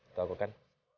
itu aku kan